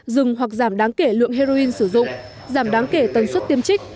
dừng hoặc giảm đáng kể lượng heroin sử dụng giảm đáng kể tần suất tiêm trích